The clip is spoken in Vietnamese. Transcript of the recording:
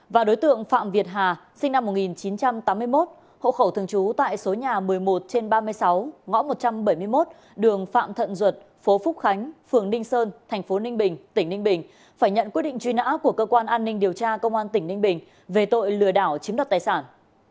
và đối tượng phạm việt hà sinh năm một nghìn chín trăm tám mươi một hộ khẩu thường trú tại số nhà một mươi một trên ba mươi sáu ngõ một trăm bảy mươi một đường phạm thận duật phố phúc khánh phường ninh sơn thành phố ninh bình tỉnh ninh bình phải nhận quyết định truy nã của cơ quan an ninh điều tra công an tỉnh ninh bình về tội lừa đảo chiếm đoạt tài sản